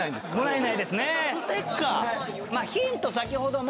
ヒント先ほども。